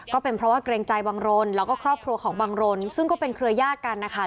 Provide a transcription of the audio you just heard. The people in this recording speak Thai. ก็เป็นเพราะว่าเกรงใจบังรนแล้วก็ครอบครัวของบังรนซึ่งก็เป็นเครือยาศกันนะคะ